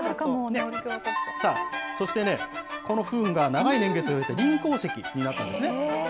さあ、そしてね、このふんが長い年月を経て、リン鉱石になったんですね。